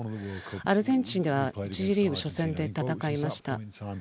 アルゼンチンは１次リーグ初戦で戦いました。